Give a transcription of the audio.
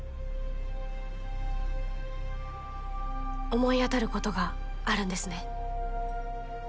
思い当たることがあるんですね？